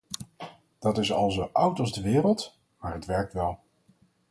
Dat is al zo oud als de wereld, maar het werkt wel!